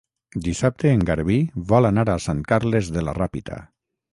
Dissabte en Garbí vol anar a Sant Carles de la Ràpita.